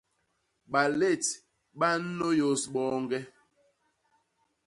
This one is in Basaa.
Balét ba nnôyôs boñge.